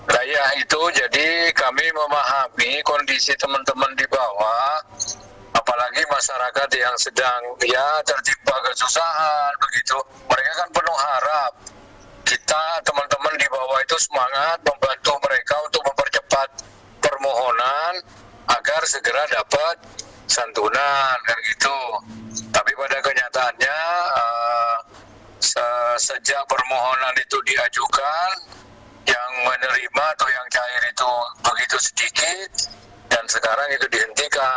sejak permohonan itu diajukan yang menerima atau yang cair itu begitu sedikit dan sekarang itu dihentikan